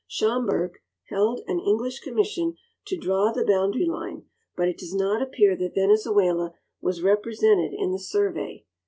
Schomburgk held an English commission to draw the boundary line, but it does not appear that Venezuela was represented in t he survey.